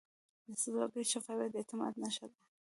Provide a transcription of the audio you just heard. د سوداګرۍ شفافیت د اعتماد نښه ده.